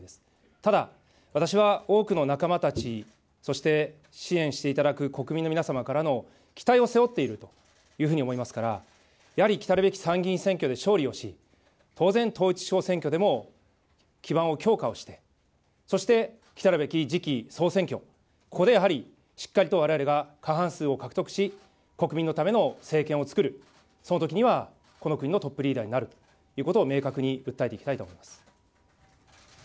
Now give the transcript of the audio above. ただ、私は多くの仲間たち、そして支援していただく国民の皆様からの期待を背負っているというふうに思いますから、やはりきたるべき参議院選挙で勝利をし、当然統一地方選挙でも基盤を強化をして、そしてきたるべき次期総選挙、ここでやはりしっかりとわれわれが過半数を獲得し、国民のための政権をつくる、そのときには、この国のトップリーダーになるということを明確に訴えていきたいと思います。